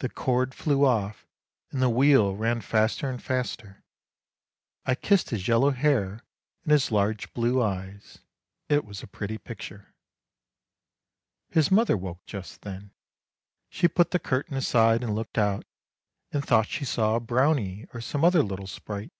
The cord flew off, and the wheel ran faster and faster. I kissed his yellow hair and his large blue eyes. It was a pretty picture. " His mother woke just then. She put the curtain aside and looked out, and thought she saw a Brownie or some other little sprite.